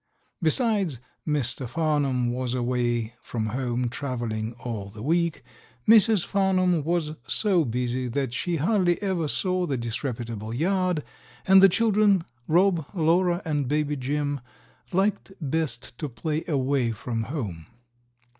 Besides, Mr. Farnum was away from home traveling all the week; Mrs. Farnum was so busy that she hardly ever saw the disreputable yard, and the children, Rob, Lora and Baby Jim, liked best to play away from home.